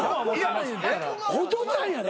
ホトちゃんやで？